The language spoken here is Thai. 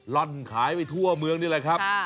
ล่อนขายไปทั่วเมืองนี่แหละครับ